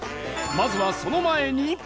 まずはその前に